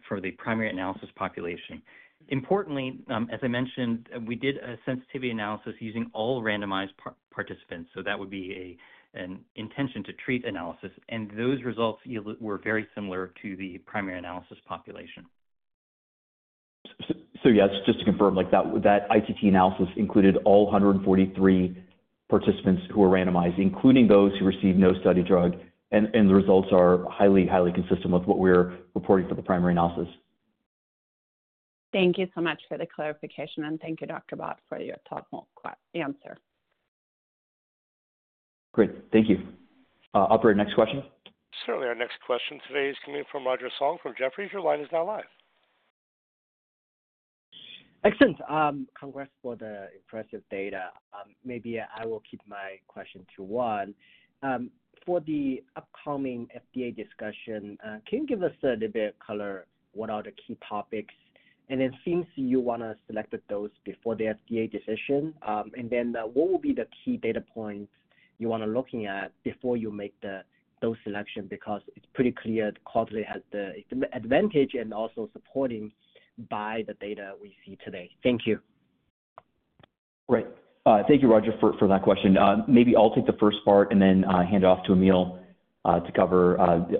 for the primary analysis population. Importantly, as I mentioned, we did a sensitivity analysis using all randomized participants. That would be an intention-to-treat analysis. Those results were very similar to the primary analysis population.
Yes, just to confirm, that ITT analysis included all 143 participants who were randomized, including those who received no study drug. The results are highly, highly consistent with what we're reporting for the primary analysis.
Thank you so much for the clarification. Thank you, Dr. Bhatt, for your thoughtful answer.
Great. Thank you. Operator, next question?
Certainly, our next question today is coming from Roger Song from Jefferies. Your line is now live.
Excellent. Congrats for the impressive data. Maybe I will keep my question to one. For the upcoming FDA discussion, can you give us a little bit of color? What are the key topics? Since you want to select the dose before the FDA decision, what will be the key data points you want to look at before you make the dose selection? Because it is pretty clear the quarterly has the advantage and also supported by the data we see today. Thank you.
Great. Thank you, Roger, for that question. Maybe I'll take the first part and then hand it off to Emil to cover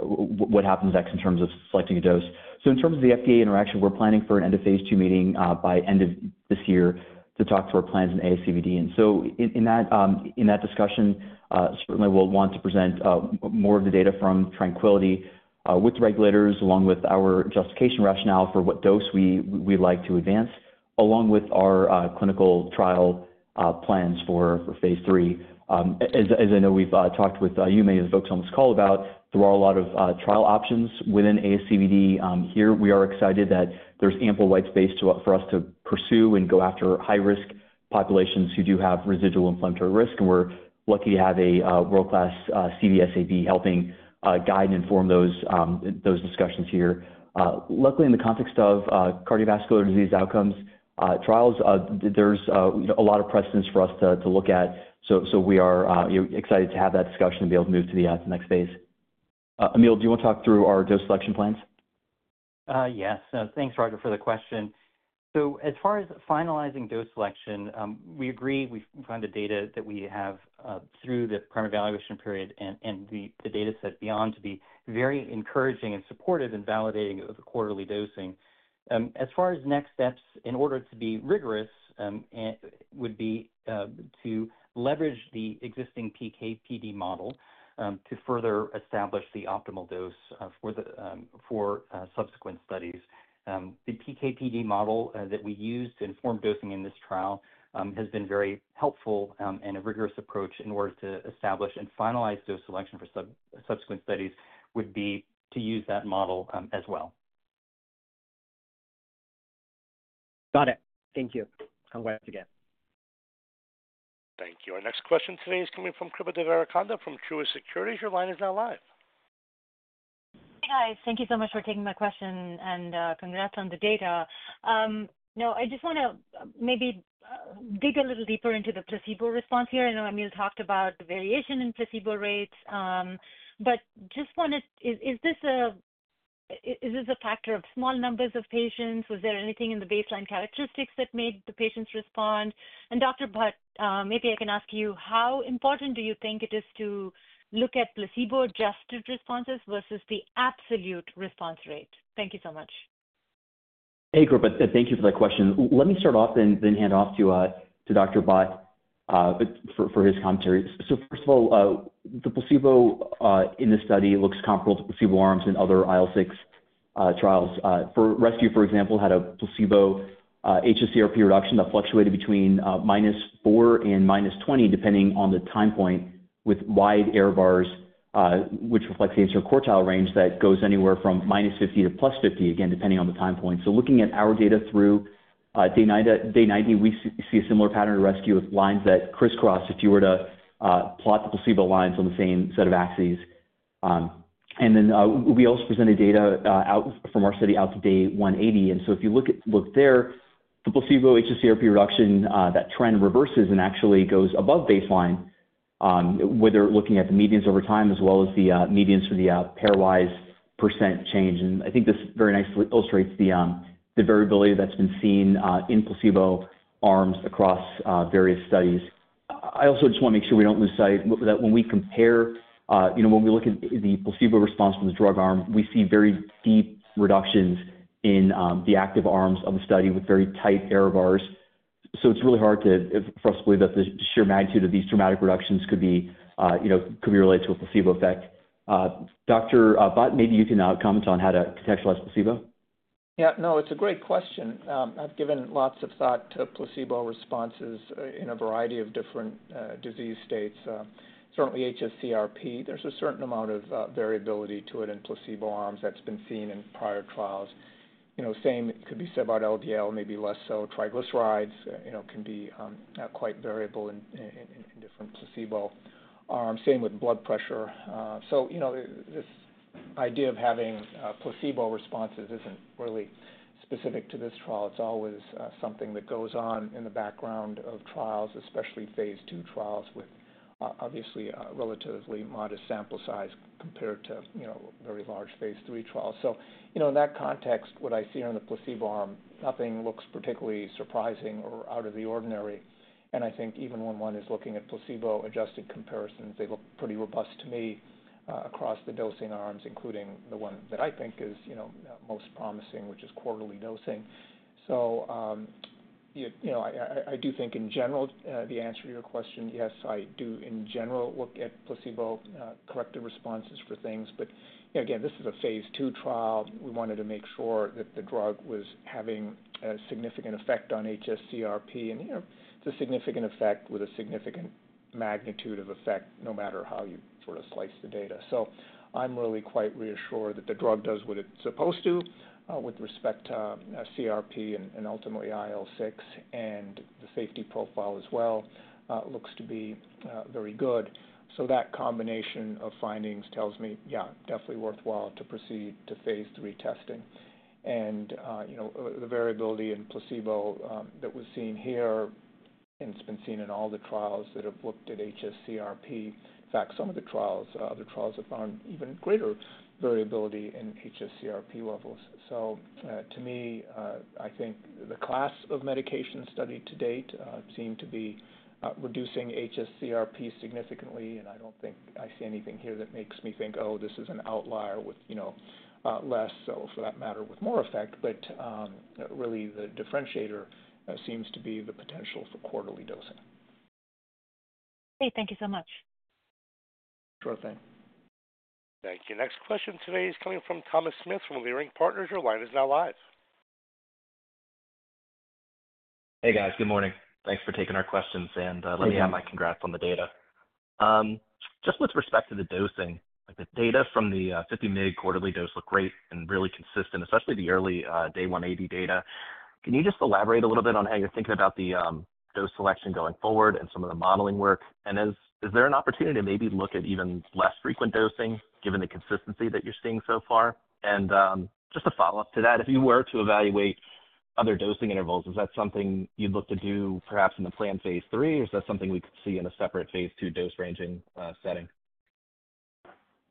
what happens next in terms of selecting a dose. In terms of the FDA interaction, we're planning for an end-of-phase two meeting by end of this year to talk through our plans in ACVD. In that discussion, certainly, we'll want to present more of the data from TRANQUILITY with regulators along with our justification rationale for what dose we'd like to advance, along with our clinical trial plans for phase three. As I know, we've talked with you, many of the folks on this call about there are a lot of trial options within ACVD. Here, we are excited that there's ample white space for us to pursue and go after high-risk populations who do have residual inflammatory risk. We're lucky to have a world-class CVSAV helping guide and inform those discussions here. Luckily, in the context of cardiovascular disease outcomes trials, there's a lot of precedence for us to look at. We are excited to have that discussion and be able to move to the next phase. Emil, do you want to talk through our dose selection plans?
Yes. Thanks, Roger, for the question. As far as finalizing dose selection, we agree we found the data that we have through the primary evaluation period and the data set beyond to be very encouraging and supportive in validating the quarterly dosing. As far as next steps, in order to be rigorous, it would be to leverage the existing PKPD model to further establish the optimal dose for subsequent studies. The PKPD model that we use to inform dosing in this trial has been very helpful. A rigorous approach in order to establish and finalize dose selection for subsequent studies would be to use that model as well.
Got it. Thank you. Congrats again.
Thank you. Our next question today is coming from Kripa Devarakonda from Truist Securities. Your line is now live.
Hey, guys. Thank you so much for taking my question. Congrats on the data. I just want to maybe dig a little deeper into the placebo response here. I know Emil talked about the variation in placebo rates. I just wanted to ask, is this a factor of small numbers of patients? Was there anything in the baseline characteristics that made the patients respond? Dr. Bhatt, maybe I can ask you, how important do you think it is to look at placebo-adjusted responses versus the absolute response rate? Thank you so much.
Hey, Kripta, thank you for that question. Let me start off and then hand off to Dr. Bhatt for his commentary. First of all, the placebo in this study looks comparable to placebo arms in other IL-6 trials. For Rescue, for example, had a placebo hsCRP reduction that fluctuated between minus 4 and minus 20, depending on the time point, with wide error bars, which reflects the interquartile range that goes anywhere from minus 50 to plus 50, again, depending on the time point. Looking at our data through day 90, we see a similar pattern to Rescue with lines that crisscross if you were to plot the placebo lines on the same set of axes. We also presented data from our study out to day 180. If you look there, the placebo hsCRP reduction, that trend reverses and actually goes above baseline, whether looking at the medians over time as well as the medians for the pairwise percent change. I think this very nicely illustrates the variability that has been seen in placebo arms across various studies. I also just want to make sure we do not lose sight that when we compare, when we look at the placebo response from the drug arm, we see very deep reductions in the active arms of the study with very tight error bars. It is really hard for us to believe that the sheer magnitude of these dramatic reductions could be related to a placebo effect. Dr. Bhatt, maybe you can comment on how to contextualize placebo.
Yeah. No, it's a great question. I've given lots of thought to placebo responses in a variety of different disease states. Certainly, hsCRP, there's a certain amount of variability to it in placebo arms that's been seen in prior trials. Same could be said about LDL, maybe less so. Triglycerides can be quite variable in different placebo arms. Same with blood pressure. This idea of having placebo responses isn't really specific to this trial. It's always something that goes on in the background of trials, especially phase two trials with obviously relatively modest sample size compared to very large phase three trials. In that context, what I see here in the placebo arm, nothing looks particularly surprising or out of the ordinary. I think even when one is looking at placebo-adjusted comparisons, they look pretty robust to me across the dosing arms, including the one that I think is most promising, which is quarterly dosing. I do think, in general, the answer to your question, yes, I do in general look at placebo-corrected responses for things. Again, this is a phase two trial. We wanted to make sure that the drug was having a significant effect on HSCRP. It is a significant effect with a significant magnitude of effect no matter how you sort of slice the data. I am really quite reassured that the drug does what it is supposed to with respect to CRP and ultimately IL-6 and the safety profile as well. It looks to be very good. That combination of findings tells me, yeah, definitely worthwhile to proceed to phase three testing. The variability in placebo that was seen here, and it's been seen in all the trials that have looked at hsCRP, in fact, some of the other trials have found even greater variability in hsCRP levels. To me, I think the class of medication studied to date seemed to be reducing hsCRP significantly. I don't think I see anything here that makes me think, "Oh, this is an outlier with less," or for that matter, with more effect. Really, the differentiator seems to be the potential for quarterly dosing.
Hey, thank you so much.
Sure thing.
Thank you. Next question today is coming from Thomas Smith from Leerink Partners. Your line is now live.
Hey, guys. Good morning. Thanks for taking our questions. Let me add my congrats on the data. Just with respect to the dosing, the data from the 50 mg quarterly dose look great and really consistent, especially the early day 180 data. Can you just elaborate a little bit on how you're thinking about the dose selection going forward and some of the modeling work? Is there an opportunity to maybe look at even less frequent dosing given the consistency that you're seeing so far? Just a follow-up to that, if you were to evaluate other dosing intervals, is that something you'd look to do perhaps in the planned phase three? Or is that something we could see in a separate phase two dose ranging setting?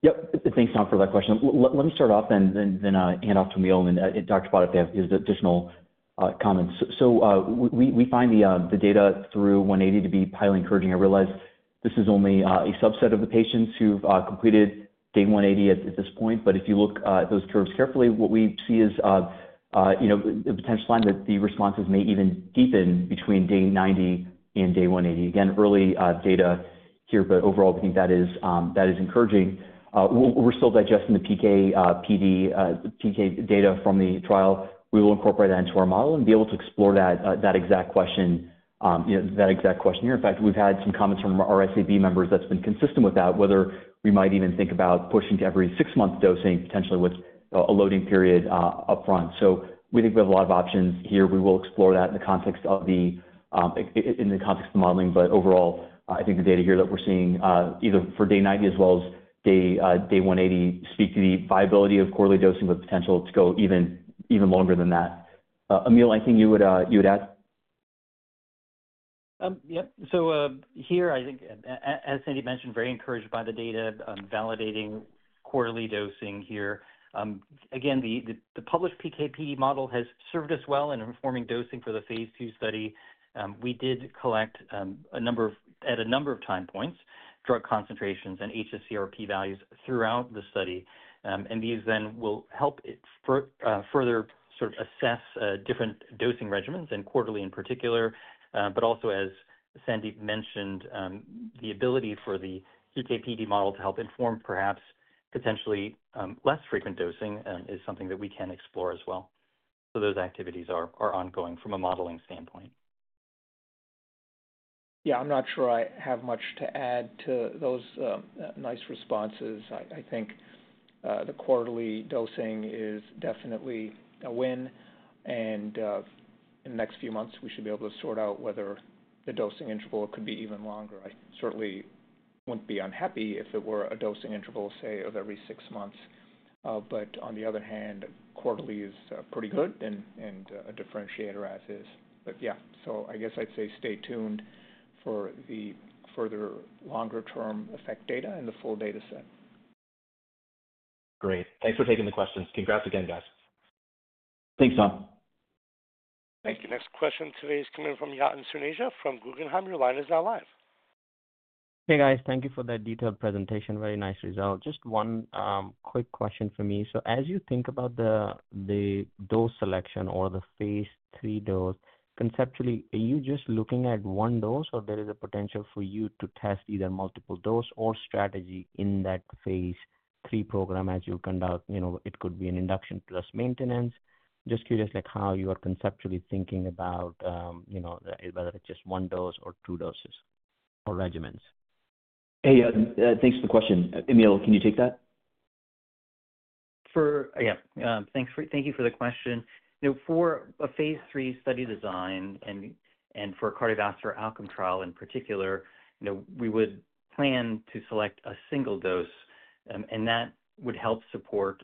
Yep. Thanks, Tom, for that question. Let me start off and then hand off to Emil and Dr. Bhat if they have additional comments. We find the data through 180 to be highly encouraging. I realize this is only a subset of the patients who have completed day 180 at this point. If you look at those curves carefully, what we see is the potential line that the responses may even deepen between day 90 and day 180. Again, early data here. Overall, we think that is encouraging. We are still digesting the PKPD data from the trial. We will incorporate that into our model and be able to explore that exact question here. In fact, we have had some comments from our SAV members that have been consistent with that, whether we might even think about pushing to every six-month dosing, potentially with a loading period upfront. We think we have a lot of options here. We will explore that in the context of modeling. Overall, I think the data here that we're seeing, either for day 90 as well as day 180, speak to the viability of quarterly dosing with potential to go even longer than that. Emil, anything you would add?
Yep. Here, I think, as Sandy mentioned, very encouraged by the data on validating quarterly dosing here. Again, the published PKPD model has served us well in informing dosing for the phase two study. We did collect at a number of time points drug concentrations and HSCRP values throughout the study. These then will help further sort of assess different dosing regimens and quarterly in particular. Also, as Sandy mentioned, the ability for the PKPD model to help inform perhaps potentially less frequent dosing is something that we can explore as well. Those activities are ongoing from a modeling standpoint.
Yeah, I'm not sure I have much to add to those nice responses. I think the quarterly dosing is definitely a win. In the next few months, we should be able to sort out whether the dosing interval could be even longer. I certainly wouldn't be unhappy if it were a dosing interval, say, of every six months. On the other hand, quarterly is pretty good and a differentiator as is. Yeah, I guess I'd say stay tuned for the further longer-term effect data and the full data set.
Great. Thanks for taking the questions. Congrats again, guys.
Thanks, Tom.
Thank you. Next question today is coming from Yatin Suneja from Guggenheim. Your line is now live.
Hey, guys. Thank you for that detailed presentation. Very nice result. Just one quick question for me. As you think about the dose selection or the phase three dose, conceptually, are you just looking at one dose or is there a potential for you to test either multiple dose or strategy in that phase three program as you conduct? It could be an induction plus maintenance. Just curious how you are conceptually thinking about whether it's just one dose or two doses or regimens.
Hey, thanks for the question. Emil, can you take that?
Yeah. Thank you for the question. For a phase three study design and for a cardiovascular outcome trial in particular, we would plan to select a single dose. That would help support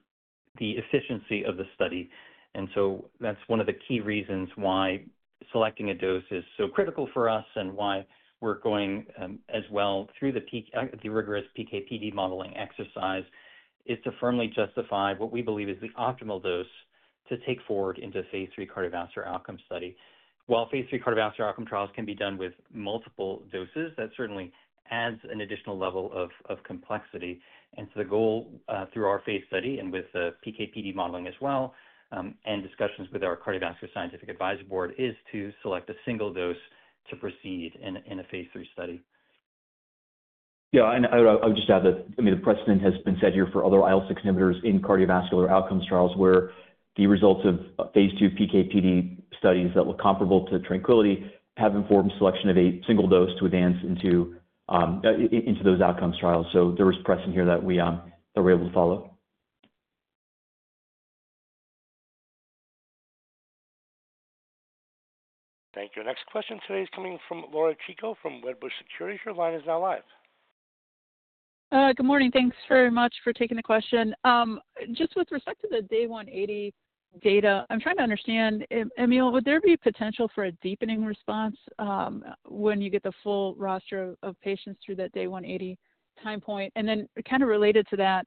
the efficiency of the study. That is one of the key reasons why selecting a dose is so critical for us and why we're going as well through the rigorous PKPD modeling exercise to firmly justify what we believe is the optimal dose to take forward into a phase three cardiovascular outcome study. While phase three cardiovascular outcome trials can be done with multiple doses, that certainly adds an additional level of complexity. The goal through our phase study and with the PKPD modeling as well and discussions with our cardiovascular scientific advisory board is to select a single dose to proceed in a phase three study.
Yeah. I would just add that, I mean, the precedent has been set here for other IL-6 inhibitors in cardiovascular outcomes trials where the results of phase two PKPD studies that were comparable to TRANQUILITY have informed selection of a single dose to advance into those outcomes trials. There was precedent here that we were able to follow.
Thank you. Next question today is coming from Laura Chico from Wedbush Securities. Your line is now live.
Good morning. Thanks very much for taking the question. Just with respect to the day 180 data, I'm trying to understand, Emil, would there be potential for a deepening response when you get the full roster of patients through that day 180 time point? Kind of related to that,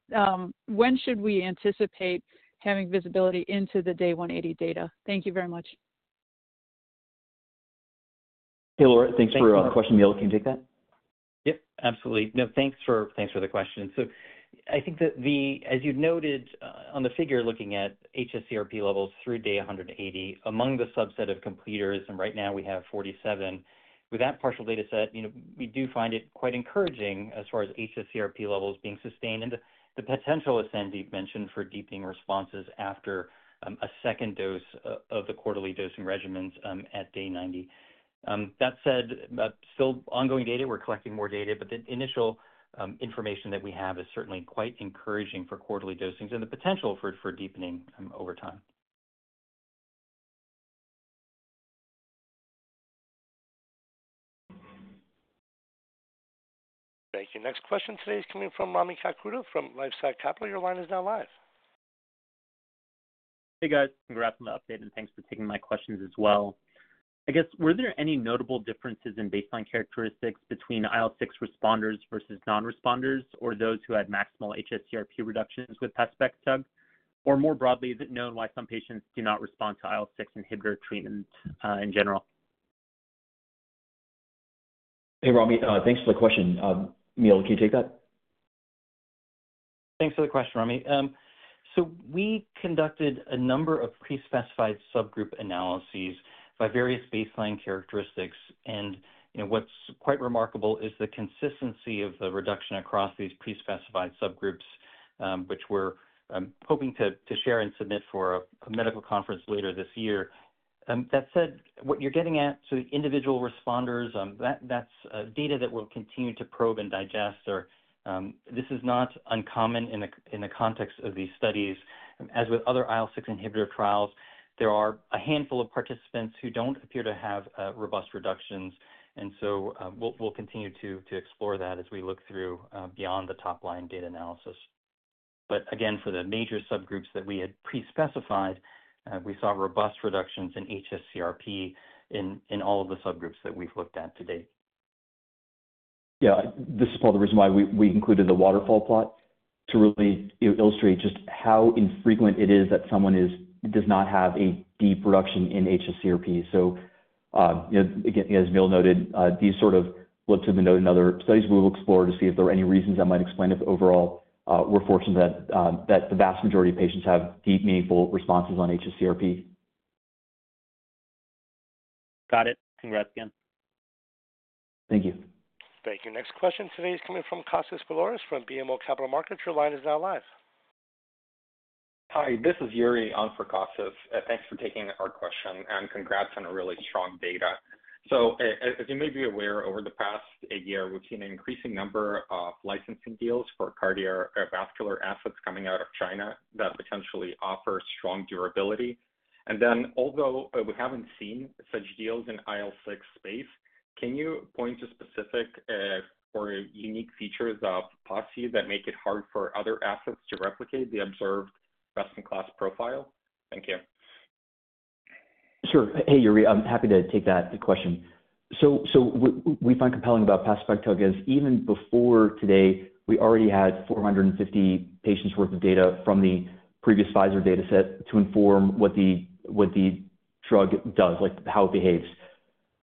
when should we anticipate having visibility into the day 180 data? Thank you very much.
Hey, Laura, thanks for the question. Emil, can you take that?
Yep. Absolutely. No, thanks for the question. I think that, as you noted on the figure looking at HSCRP levels through day 180, among the subset of completers, and right now we have 47, with that partial data set, we do find it quite encouraging as far as HSCRP levels being sustained and the potential, as Sandy mentioned, for deepening responses after a second dose of the quarterly dosing regimens at day 90. That said, still ongoing data. We are collecting more data. The initial information that we have is certainly quite encouraging for quarterly dosings and the potential for deepening over time.
Thank you. Next question today is coming from Rami Katkhuda from LifeSci Capital. Your line is now live.
Hey, guys. Congrats on the update. Thanks for taking my questions as well. I guess, were there any notable differences in baseline characteristics between IL-6 responders versus non-responders or those who had maximal hsCRP reductions with PESPECT/TUG? More broadly, is it known why some patients do not respond to IL-6 inhibitor treatment in general?
Hey, Rami. Thanks for the question. Emil, can you take that?
Thanks for the question, Rami. We conducted a number of pre-specified subgroup analyses by various baseline characteristics. What's quite remarkable is the consistency of the reduction across these pre-specified subgroups, which we're hoping to share and submit for a medical conference later this year. That said, what you're getting at, the individual responders, that's data that we'll continue to probe and digest. This is not uncommon in the context of these studies. As with other IL-6 inhibitor trials, there are a handful of participants who don't appear to have robust reductions. We will continue to explore that as we look through beyond the top-line data analysis. Again, for the major subgroups that we had pre-specified, we saw robust reductions in HSCRP in all of the subgroups that we've looked at to date.
Yeah. This is part of the reason why we included the waterfall plot to really illustrate just how infrequent it is that someone does not have a deep reduction in hsCRP. Again, as Emil noted, these sort of look to the note in other studies. We will explore to see if there are any reasons that might explain if overall we're fortunate that the vast majority of patients have deep, meaningful responses on hsCRP.
Got it. Congrats again.
Thank you.
Thank you. Next question today is coming from Kasis Velores from BMO Capital Markets. Your line is now live.
Hi. This is Yuri on for Kasis. Thanks for taking our question. And congrats on really strong data. As you may be aware, over the past year, we've seen an increasing number of licensing deals for cardiovascular assets coming out of China that potentially offer strong durability. Although we haven't seen such deals in IL-6 space, can you point to specific or unique features of pacibekitug that make it hard for other assets to replicate the observed best-in-class profile? Thank you.
Sure. Hey, Yuri. I'm happy to take that question. What we find compelling about PESPECT/TUG is even before today, we already had 450 patients' worth of data from the previous Pfizer data set to inform what the drug does, how it behaves.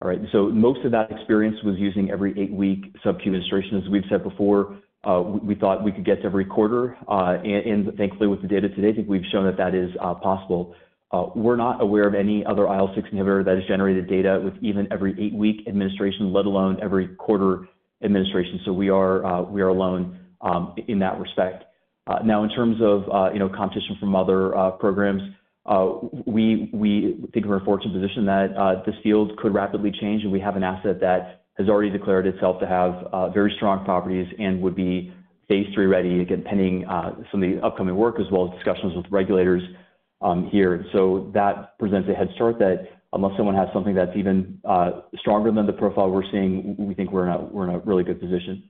All right. Most of that experience was using every eight-week sub-Q administration. As we've said before, we thought we could get to every quarter. Thankfully, with the data today, I think we've shown that that is possible. We're not aware of any other IL-6 inhibitor that has generated data with even every eight-week administration, let alone every quarter administration. We are alone in that respect. In terms of competition from other programs, we think we're in a fortunate position that this field could rapidly change. We have an asset that has already declared itself to have very strong properties and would be phase three ready, again, pending some of the upcoming work as well as discussions with regulators here. That presents a head start that unless someone has something that's even stronger than the profile we're seeing, we think we're in a really good position.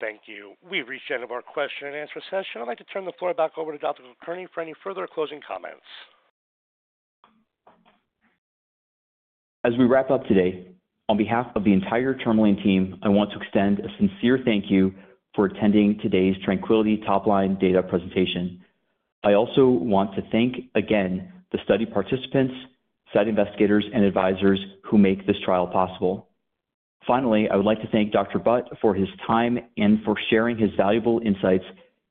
Thank you. We've reached the end of our question and answer session. I'd like to turn the floor back over to Dr. Kulkarni for any further closing comments.
As we wrap up today, on behalf of the entire Tourmaline team, I want to extend a sincere thank you for attending today's TRANQUILITY topline data presentation. I also want to thank again the study participants, site investigators, and advisors who make this trial possible. Finally, I would like to thank Dr. Bhatt for his time and for sharing his valuable insights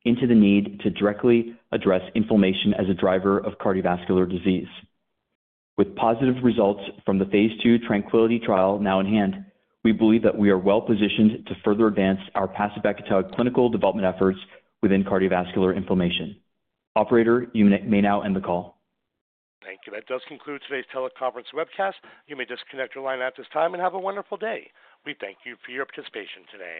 into the need to directly address inflammation as a driver of cardiovascular disease. With positive results from the phase 2 TRANQUILITY trial now in hand, we believe that we are well-positioned to further advance our pacibekitug clinical development efforts within cardiovascular inflammation. Operator, you may now end the call.
Thank you. That does conclude today's teleconference webcast. You may disconnect your line at this time and have a wonderful day. We thank you for your participation today.